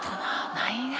ないな今。